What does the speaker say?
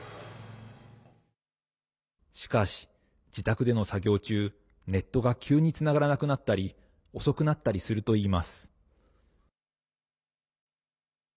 しかし自宅での作業中、ネットが急につながらなくなったり遅くなったりするといいます。